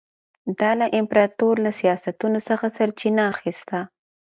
دا له امپراتور له سیاستونو څخه سرچینه اخیسته.